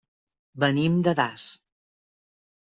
Venim de Das.